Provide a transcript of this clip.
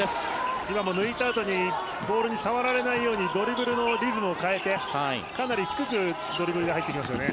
今も抜いたあとにボールに触られないようにドリブルのリズムを変えてかなり低くドリブルで入ってきましたよね。